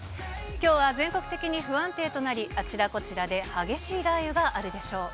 きょうは全国的に不安定となり、あちらこちらで激しい雷雨があるでしょう。